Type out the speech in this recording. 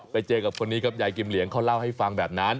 ไปเจอกับคนนี้ครับยายกิมเหลียงเขาเล่าให้ฟังแบบนั้น